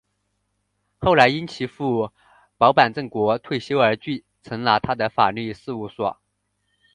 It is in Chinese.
后来因其父保坂正国退休而承继了他的法律事务所。